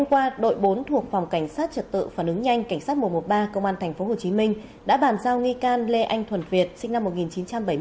hôm qua đội bốn thuộc phòng cảnh sát trật tự phản ứng nhanh cảnh sát một trăm một mươi ba công an tp hcm đã bàn giao nghi can lê anh thuần việt sinh năm một nghìn chín trăm bảy mươi